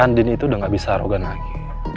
andin itu udah gak bisa arogan lagi